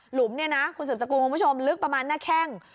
หุมเนี่ยนะคุณสืบสกุลคุณผู้ชมลึกประมาณหน้าแข้ง